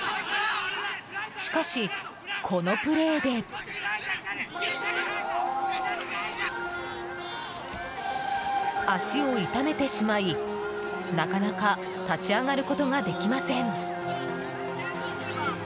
しかし、このプレーで足を痛めてしまいなかなか立ち上がることができません。